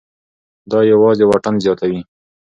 دا یوازې واټن زیاتوي.